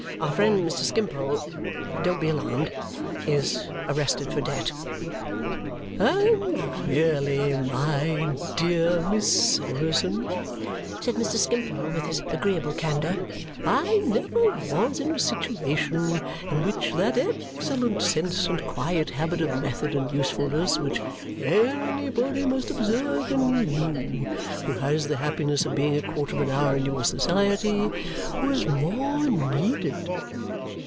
Our friend Mr. Skimpole don't be alarmed! is arrested for debt." "And really, my dear Miss Summerson," said Mr. Skimpole with his agreeable candour, "I never was in a situation in which that excellent sense and quiet habit of method and usefulness, which anybody must observe in you who has the happiness of being a quarter of an hour in your society, was more needed."